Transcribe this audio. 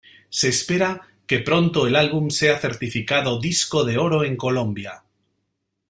Se espera que pronto el álbum sea certificado disco de Oro en Colombia.